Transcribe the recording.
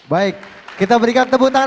baik kita berikan tepuk tangan